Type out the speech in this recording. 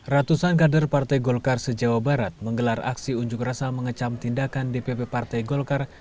ratusan kader partai golkar se jawa barat menggelar aksi unjuk rasa mengecam tindakan dpp partai golkar